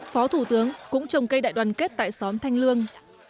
phó thủ tướng cũng trồng cây đại đoàn kết tại xóm thanh lương